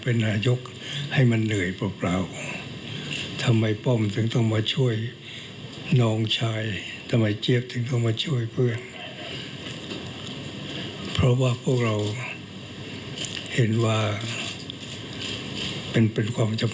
เพราะว่าพวกเราเห็นว่า